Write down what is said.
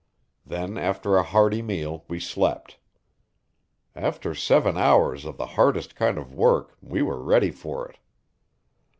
Then, after a hearty meal, we slept. After seven hours of the hardest kind of work we were ready for it.